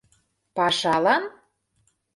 — Пашалан?